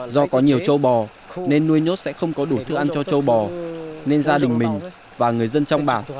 do có nhiều châu bò nên nuôi nhốt sẽ không có đủ thức ăn cho châu bò nên gia đình mình và người dân trong bản